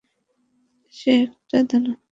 সে একটা দানব!